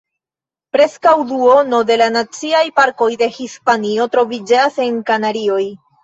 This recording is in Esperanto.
Preskaŭ duono de la Naciaj Parkoj de Hispanio troviĝas en Kanarioj.